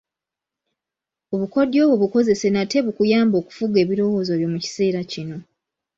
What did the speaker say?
Obukodyo obwo bukozese nate bukuyambe okufuga ebirowoozo byo mu kiseera kino.